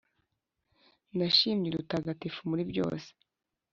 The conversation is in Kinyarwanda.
nashimwe udutagatifuza muri byose